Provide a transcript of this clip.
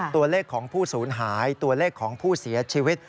ตัวเลขของผู้สูญหายตัวเลขของผู้เสียชีวิต